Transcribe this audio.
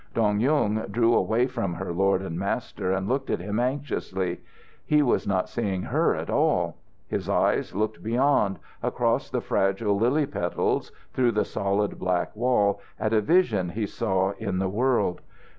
Dong Yung drew away from her lord and master and looked at him anxiously. He was not seeing her at all. His eyes looked beyond, across the fragile, lily petals, through the solid black wall, at a vision he saw in the world.